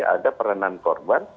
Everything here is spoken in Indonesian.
ada peranan korban